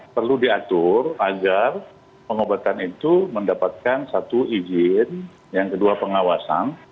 perlu diatur agar pengobatan itu mendapatkan satu izin yang kedua pengawasan